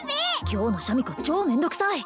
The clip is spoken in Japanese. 今日のシャミ子超めんどくさい！